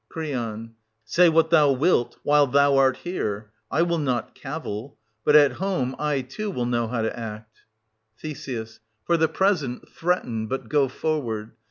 Cr. Say what thou wilt while thou art here, — I will not cavil: but at home I, too, will know how to act Th. For the present, threaten, but go forward.